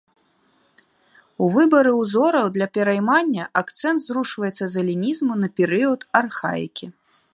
У выбары ўзораў для пераймання акцэнт зрушваецца з элінізму на перыяд архаікі.